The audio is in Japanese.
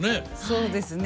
そうですね。